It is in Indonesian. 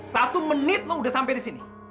satu menit lo sudah sampai di sini